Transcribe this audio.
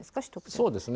そうですね。